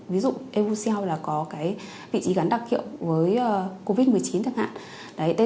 ví dụ evercell là có vị trí gắn đặc kiệu với covid một mươi chín chẳng hạn